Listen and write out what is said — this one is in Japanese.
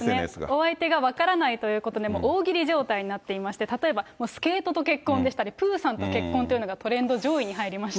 お相手が分からないということで、大喜利状態になっていまして、例えば、スケートと結婚でしたり、プーさんと結婚というのがトレンド上位に入りました。